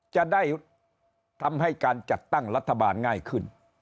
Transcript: จะได้ทำให้การจัดตั้งรัฐบาลง่ายขึ้น